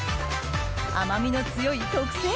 甘みの強い特製